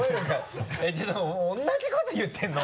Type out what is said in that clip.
ちょっと同じこと言ってるの？